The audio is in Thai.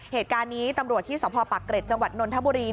เหตุการณ์นี้ตำรวจที่สพปักเกร็จจังหวัดนนทบุรี